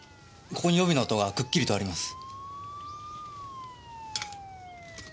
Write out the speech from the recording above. ここに帯の跡がくっきりとあります。